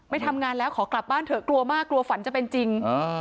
ไม่ทำงานแล้วขอกลับบ้านเถอะกลัวมากกลัวฝันจะเป็นจริง